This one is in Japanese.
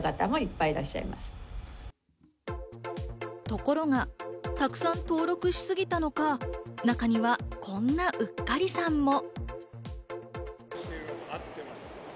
ところが、たくさん登録しすぎたのか、中にはこんなうっかりさんも。